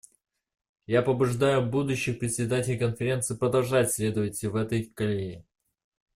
Я побуждаю будущих председателей Конференции продолжать следовать в этой колее.